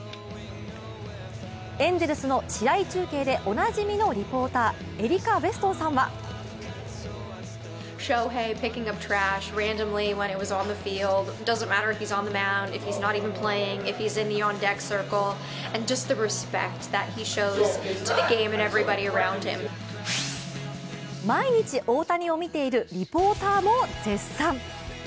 エンゼルスの試合中継でおなじみのリポーター、エリカ・ウェストンさんは毎日、大谷を見ているリポーターも絶賛。